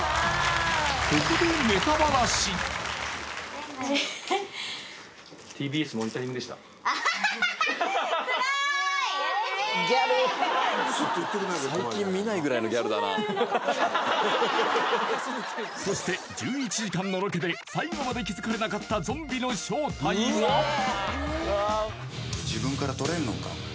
ここでそして１１時間のロケで最後まで気づかれなかったゾンビの正体は・自分からとれんのか？